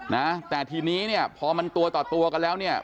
นะแต่ทีนี้เนี่ยพอมันตัวต่อตัวกันแล้วเนี่ย